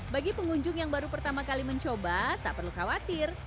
bagi pengunjung yang baru pertama kali mencoba tak perlu khawatir